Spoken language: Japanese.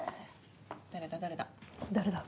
誰だ誰だ？